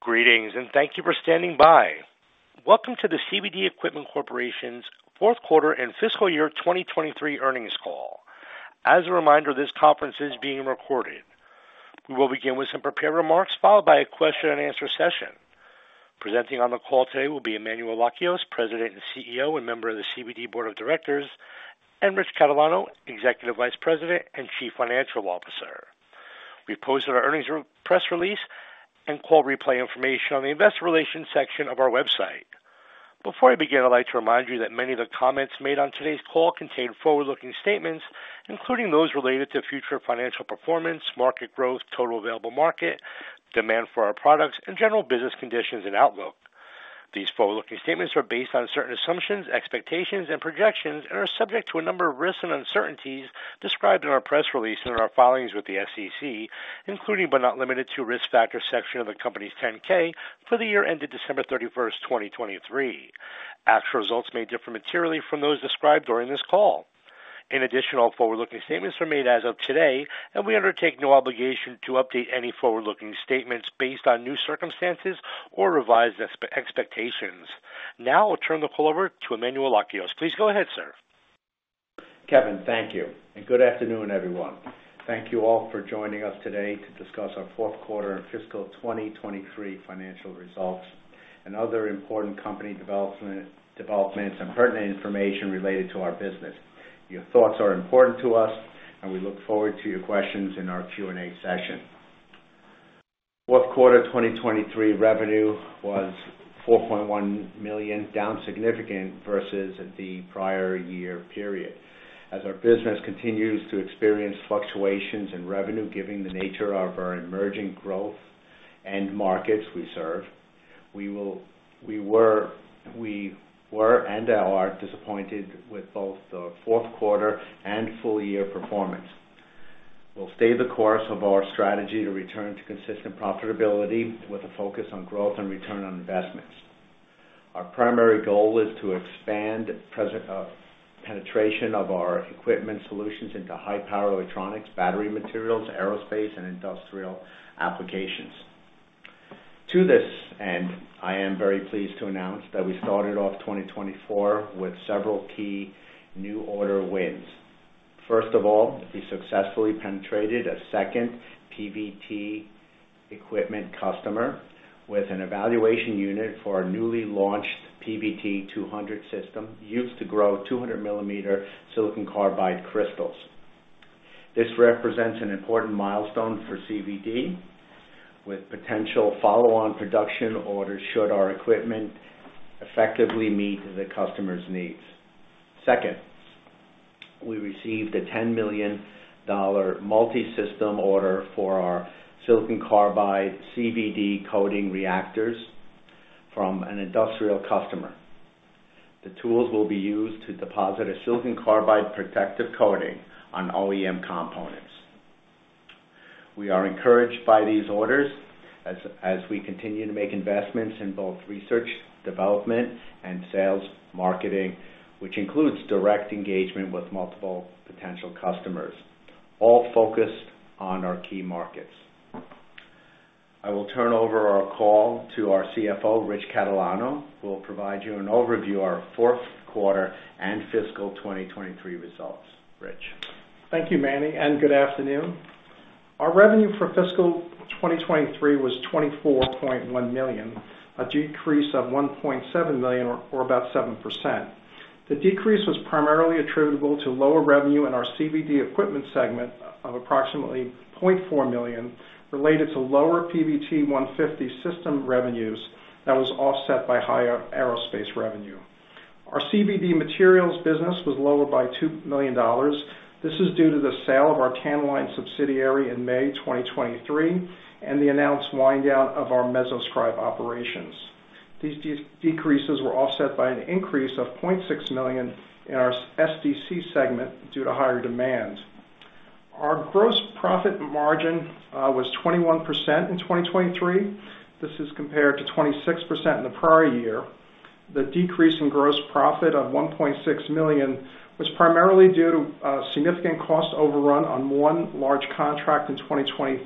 Greetings, and thank you for standing by. Welcome to the CVD Equipment Corporation's fourth quarter and fiscal year 2023 earnings call. As a reminder, this conference is being recorded. We will begin with some prepared remarks, followed by a question-and-answer session. Presenting on the call today will be Emmanuel Lakios, President and CEO, and member of the CVD Board of Directors, and Rich Catalano, Executive Vice President and Chief Financial Officer. We posted our earnings press release and call replay information on the investor relations section of our website. Before I begin, I'd like to remind you that many of the comments made on today's call contain forward-looking statements, including those related to future financial performance, market growth, total available market, demand for our products, and general business conditions and outlook. These forward-looking statements are based on certain assumptions, expectations, and projections and are subject to a number of risks and uncertainties described in our press release and in our filings with the SEC, including, but not limited to, risk factors section of the Company's 10-K for the year ended December 31, 2023. Actual results may differ materially from those described during this call. In addition, all forward-looking statements are made as of today, and we undertake no obligation to update any forward-looking statements based on new circumstances or revised expectations. Now I'll turn the call over to Emmanuel Lakios. Please go ahead, sir. Kevin, thank you, and good afternoon, everyone. Thank you all for joining us today to discuss our fourth quarter and fiscal 2023 financial results and other important company development, developments and pertinent information related to our business. Your thoughts are important to us, and we look forward to your questions in our Q&A session. Fourth quarter 2023 revenue was $4.1 million, down significant versus the prior year period. As our business continues to experience fluctuations in revenue, given the nature of our emerging growth and markets we serve, we were and are disappointed with both the fourth quarter and full year performance. We'll stay the course of our strategy to return to consistent profitability with a focus on growth and return on investments. Our primary goal is to expand present penetration of our equipment solutions into high power electronics, battery materials, aerospace, and industrial applications. To this end, I am very pleased to announce that we started off 2024 with several key new order wins. First of all, we successfully penetrated a second PVT equipment customer with an evaluation unit for our newly launched PVT-200 system, used to grow 200 millimeter silicon carbide crystals. This represents an important milestone for CVD, with potential follow-on production orders should our equipment effectively meet the customer's needs. Second, we received a $10 million multisystem order for our silicon carbide CVD coating reactors from an industrial customer. The tools will be used to deposit a silicon carbide protective coating on OEM components. We are encouraged by these orders as we continue to make investments in both research, development, and sales marketing, which includes direct engagement with multiple potential customers, all focused on our key markets. I will turn over our call to our CFO, Rich Catalano, who will provide you an overview of our fourth quarter and fiscal 2023 results. Rich? Thank you, Manny, and good afternoon. Our revenue for fiscal 2023 was $24.1 million, a decrease of $1.7 million or about 7%. The decrease was primarily attributable to lower revenue in our CVD equipment segment of approximately $0.4 million, related to lower PVT-150 system revenues that was offset by higher aerospace revenue. Our CVD materials business was lower by $2 million. This is due to the sale of our Tantaline subsidiary in May 2023, and the announced wind down of our MesoScribe operations. These decreases were offset by an increase of $0.6 million in our SDC segment due to higher demand. Our gross profit margin was 21% in 2023. This is compared to 26% in the prior year. The decrease in gross profit of $1.6 million was primarily due to significant cost overrun on one large contract in 2023,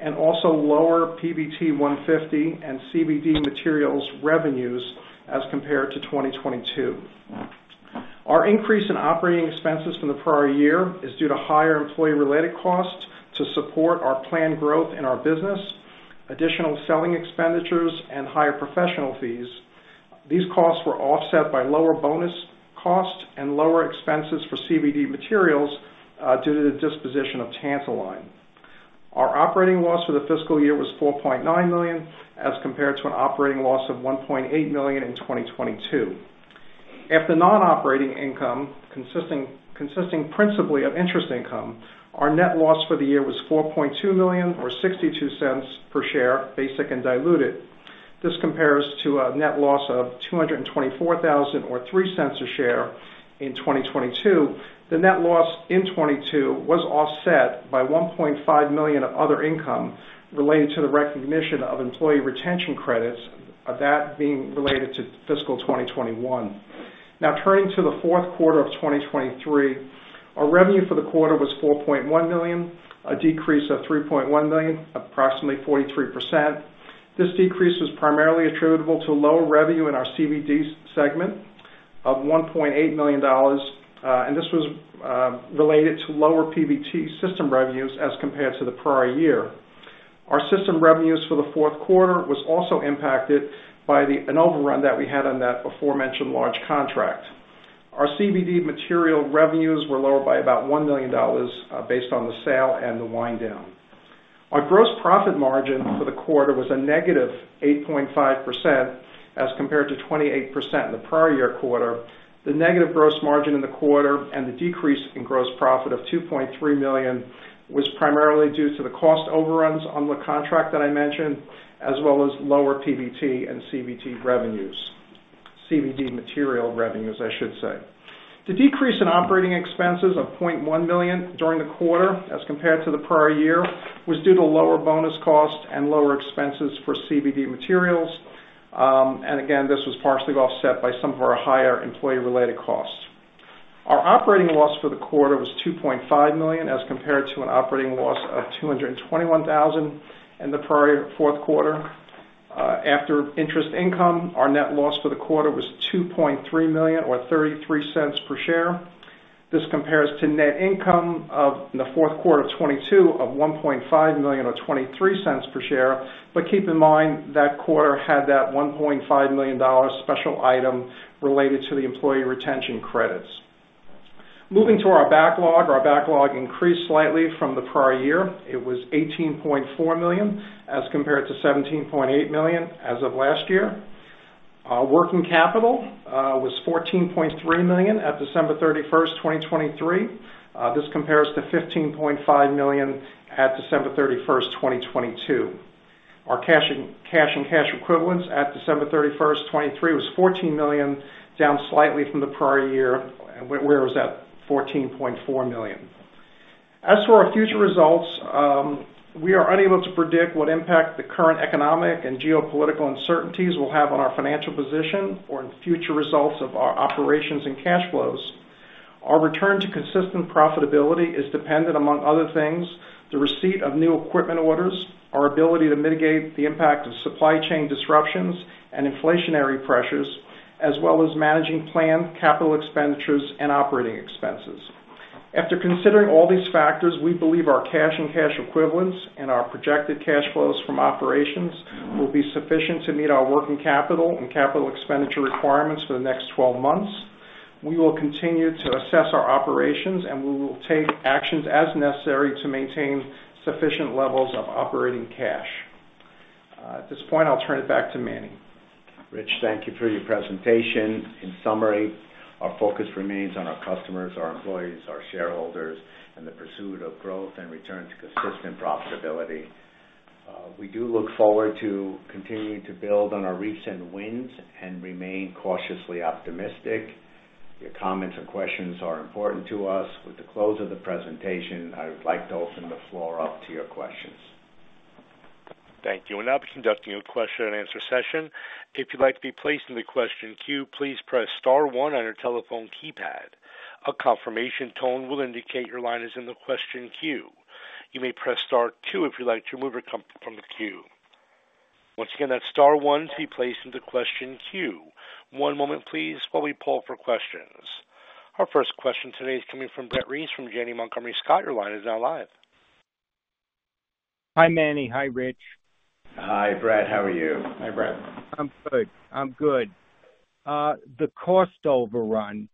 and also lower PVT-150 and CVD materials revenues as compared to 2022. Our increase in operating expenses from the prior year is due to higher employee-related costs to support our planned growth in our business, additional selling expenditures, and higher professional fees. These costs were offset by lower bonus costs and lower expenses for CVD materials due to the disposition of Tantaline. Our operating loss for the fiscal year was $4.9 million, as compared to an operating loss of $1.8 million in 2022. After non-operating income, consisting principally of interest income, our net loss for the year was $4.2 million, or $0.62 per share, basic and diluted. This compares to a net loss of $224,000 or $0.03 a share in 2022. The net loss in 2022 was offset by $1.5 million of other income related to the recognition of Employee Retention Credits, that being related to fiscal 2021. Now turning to the fourth quarter of 2023. Our revenue for the quarter was $4.1 million, a decrease of $3.1 million, approximately 43%. This decrease was primarily attributable to lower revenue in our CVD segment of $1.8 million, and this was related to lower PVT system revenues as compared to the prior year. Our system revenues for the fourth quarter was also impacted by an overrun that we had on that aforementioned large contract. Our CVD material revenues were lower by about $1 million, based on the sale and the wind down. Our gross profit margin for the quarter was a negative 8.5%, as compared to 28% in the prior year quarter. The negative gross margin in the quarter and the decrease in gross profit of $2.3 million was primarily due to the cost overruns on the contract that I mentioned, as well as lower PVT and CVD revenues, CVD material revenues, I should say. The decrease in operating expenses of $0.1 million during the quarter, as compared to the prior year, was due to lower bonus costs and lower expenses for CVD materials. And again, this was partially offset by some of our higher employee-related costs. Our operating loss for the quarter was $2.5 million, as compared to an operating loss of $221,000 in the prior fourth quarter. After interest income, our net loss for the quarter was $2.3 million or $0.33 per share. This compares to net income of the fourth quarter of 2022 of $1.5 million or $0.23 per share. But keep in mind, that quarter had that $1.5 million special item related to the Employee Retention Credits. Moving to our backlog. Our backlog increased slightly from the prior year. It was $18.4 million, as compared to $17.8 million as of last year. Working capital was $14.3 million at December 31, 2023. This compares to $15.5 million at December 31, 2022. Our cash and cash equivalents at December 31, 2023, was $14 million, down slightly from the prior year, where it was at $14.4 million. As for our future results, we are unable to predict what impact the current economic and geopolitical uncertainties will have on our financial position or in future results of our operations and cash flows. Our return to consistent profitability is dependent, among other things, the receipt of new equipment orders, our ability to mitigate the impact of supply chain disruptions and inflationary pressures, as well as managing planned capital expenditures and operating expenses. After considering all these factors, we believe our cash and cash equivalents and our projected cash flows from operations will be sufficient to meet our working capital and capital expenditure requirements for the next 12 months. We will continue to assess our operations, and we will take actions as necessary to maintain sufficient levels of operating cash. At this point, I'll turn it back to Manny. Rich, thank you for your presentation. In summary, our focus remains on our customers, our employees, our shareholders, and the pursuit of growth and return to consistent profitability. We do look forward to continuing to build on our recent wins and remain cautiously optimistic. Your comments and questions are important to us. With the close of the presentation, I would like to open the floor up to your questions. Thank you. We'll now be conducting a question and answer session. If you'd like to be placed in the question queue, please press star one on your telephone keypad. A confirmation tone will indicate your line is in the question queue. You may press star two if you'd like to remove your company from the queue. Once again, that's star one to be placed into question queue. One moment please, while we poll for questions. Our first question today is coming from Brett Reiss from Janney Montgomery Scott. Your line is now live. Hi, Manny. Hi, Rich. Hi, Brett. How are you? Hi, Brett. I'm good. I'm good. The cost overrun,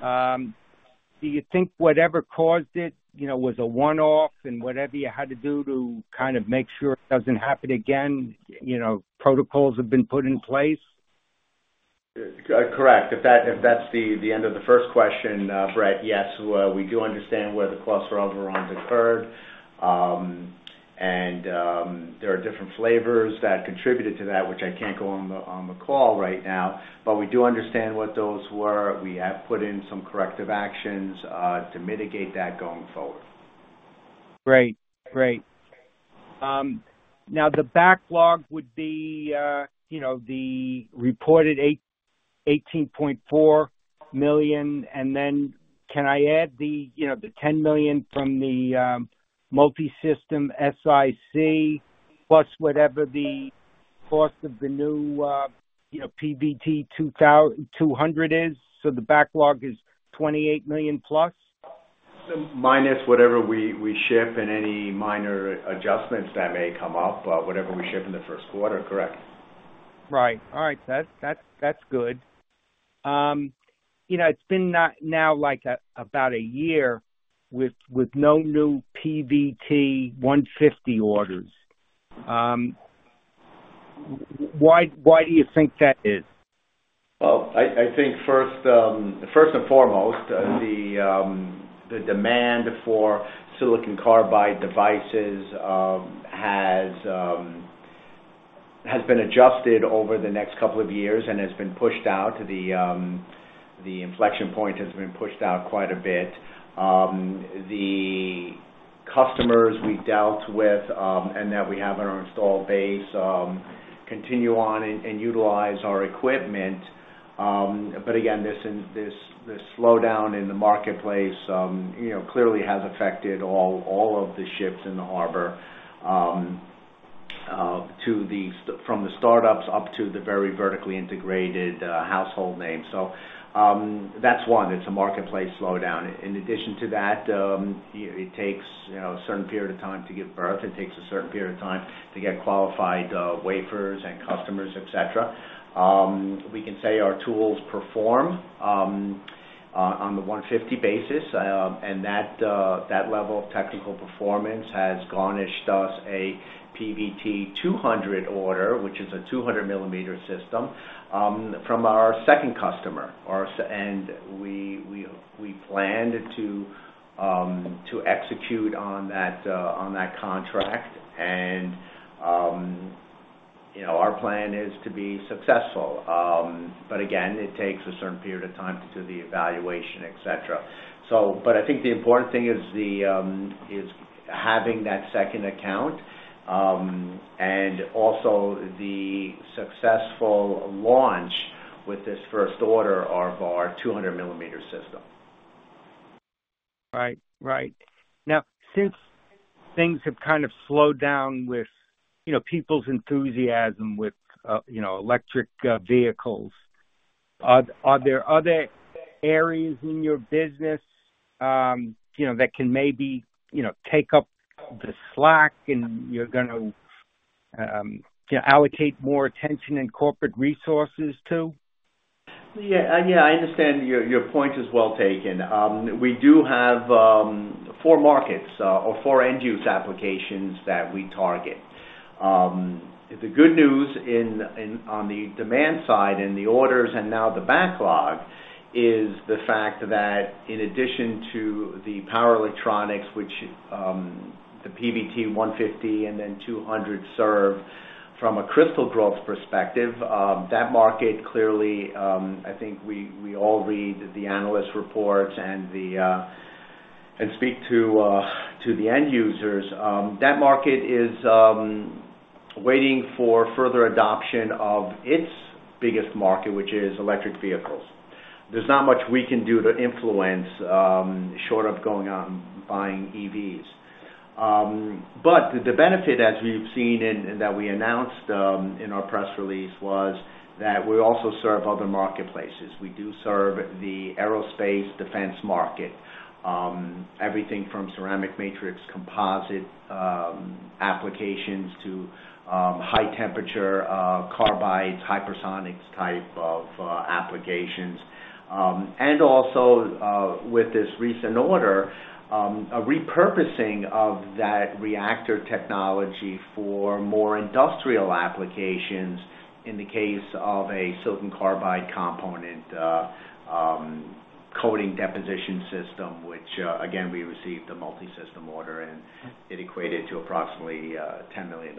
do you think whatever caused it, you know, was a one-off and whatever you had to do to kind of make sure it doesn't happen again, you know, protocols have been put in place? Correct. If that's the end of the first question, Brett, yes, we do understand where the cluster overruns occurred. There are different flavors that contributed to that, which I can't go into on the call right now, but we do understand what those were. We have put in some corrective actions to mitigate that going forward. Great. Great. Now, the backlog would be, you know, the reported $18.4 million, and then can I add the, you know, the $10 million from the, multisystem SiC, plus whatever the cost of the new, you know, PVT-200 is, so the backlog is $28 million plus? Minus whatever we ship and any minor adjustments that may come up, whatever we ship in the first quarter. Correct. Right. All right, that's good. You know, it's been now, like, about a year with no new PVT-150 orders. Why do you think that is? Well, I think first and foremost, the demand for silicon carbide devices has been adjusted over the next couple of years and has been pushed out. The inflection point has been pushed out quite a bit. The customers we've dealt with and that we have in our installed base continue on and utilize our equipment. But again, this slowdown in the marketplace, you know, clearly has affected all of the ships in the harbor, from the startups up to the very vertically integrated household names. So, that's one, it's a marketplace slowdown. In addition to that, it takes, you know, a certain period of time to give birth. It takes a certain period of time to get qualified wafers and customers, et cetera. We can say our tools perform on the 150 basis, and that level of technical performance has garnered us a PVT-200 order, which is a 200 millimeter system, from our second customer. And we planned to execute on that contract. And you know, our plan is to be successful. But again, it takes a certain period of time to do the evaluation, et cetera. So I think the important thing is having that second account, and also the successful launch with this first order of our 200 millimeter system. Right. Right. Now, since things have kind of slowed down with, you know, people's enthusiasm with, you know, electric vehicles, are there other areas in your business, you know, that can maybe, you know, take up the slack and you're gonna, you know, allocate more attention and corporate resources to? Yeah, yeah, I understand. Your point is well taken. We do have four markets or four end-use applications that we target. The good news on the demand side, and the orders, and now the backlog, is the fact that in addition to the power electronics, which the PVT-150 and then 200 serve from a crystal growth perspective, that market clearly, I think we all read the analyst reports and speak to the end users. That market is waiting for further adoption of its biggest market, which is electric vehicles. There's not much we can do to influence short of going out and buying EVs. But the benefit, as we've seen and that we announced in our press release, was that we also serve other marketplaces. We do serve the aerospace defense market. Everything from ceramic matrix composite applications to high temperature carbide hypersonics type of applications. And also, with this recent order, a repurposing of that reactor technology for more industrial applications in the case of a silicon carbide component coating deposition system, which again, we received a multisystem order, and it equated to approximately $10 million.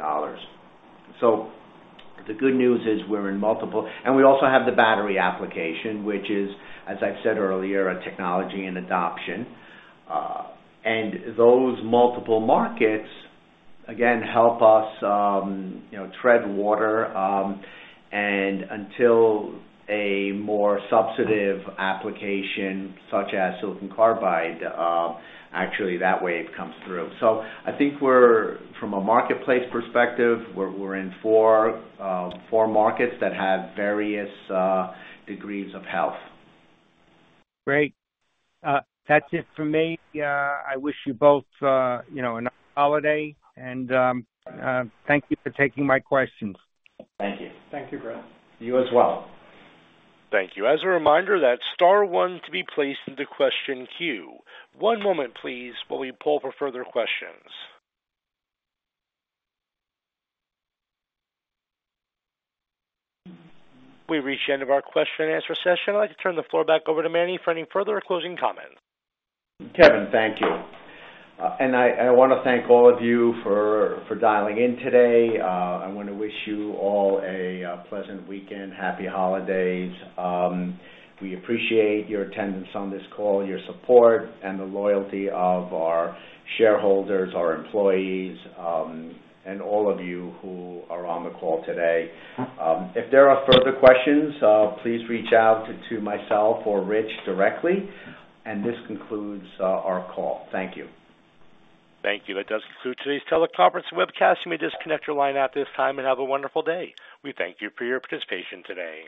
So the good news is we're in multiple and we also have the battery application, which is, as I've said earlier, a technology in adoption. And those multiple markets, again, help us, you know, tread water, and until a more substantive application, such as silicon carbide, actually, that wave comes through. So I think we're, from a marketplace perspective, we're, we're in 4, 4 markets that have various degrees of health. Great. That's it for me. I wish you both, you know, a nice holiday, and thank you for taking my questions. Thank you. Thank you, Greg. You as well. Thank you. As a reminder, that's star one to be placed in the question queue. One moment, please, while we pull for further questions. We've reached the end of our question and answer session. I'd like to turn the floor back over to Manny for any further closing comments. Kevin, thank you. And I wanna thank all of you for dialing in today. I wanna wish you all a pleasant weekend. Happy holidays. We appreciate your attendance on this call, your support and the loyalty of our shareholders, our employees, and all of you who are on the call today. If there are further questions, please reach out to myself or Rich directly. And this concludes our call. Thank you. Thank you. That does conclude today's teleconference webcast. You may disconnect your line at this time and have a wonderful day. We thank you for your participation today.